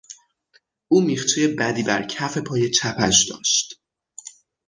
او میخچهی بدی بر کف پای چپش داشت.